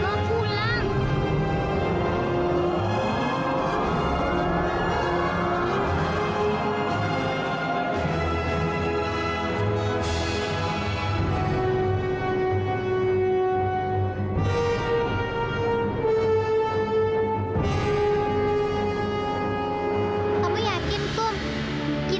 kamu sembarin aja serbuk ini